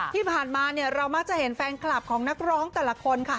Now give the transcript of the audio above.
ที่ผ่านมาเนี่ยเรามักจะเห็นแฟนคลับของนักร้องแต่ละคนค่ะ